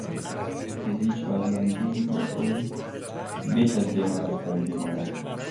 پزشک آزمندی که به پول بیش از بیمارش توجه دارد